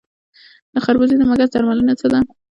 د خربوزې د مګس درملنه څه ده؟